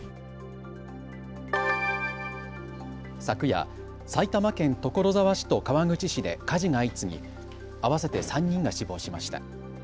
昨夜、埼玉県所沢市と川口市で火事が相次ぎ合わせて３人が死亡しました。